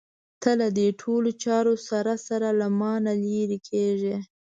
ته له دې ټولو چارو سره سره له مانه لرې کېږې.